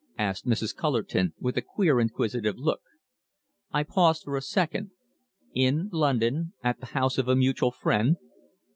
asked Mrs. Cullerton, with a queer inquisitive look. I paused for a second. "In London at the house of a mutual friend."